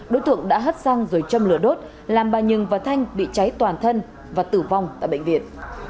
đối tượng đã hất xăng rồi châm lửa đốt làm bà nhưng và thanh bị cháy toàn thân và tử vong tại bệnh viện